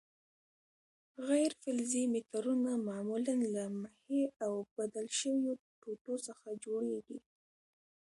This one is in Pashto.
غیر فلزي مترونه معمولاً له محې او بدل شویو ټوټو څخه جوړیږي.